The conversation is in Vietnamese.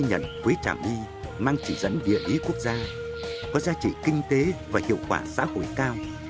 sản phẩm quế trả my mang chỉ dẫn địa lý quốc gia có giá trị kinh tế và hiệu quả xã hội cao